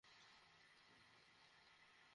ওদের ছেড়ে দিন, স্যার।